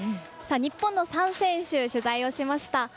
日本の３選手、取材をしました。